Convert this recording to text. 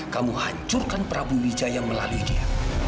kamu hancurkan prabu wijaya melalui dia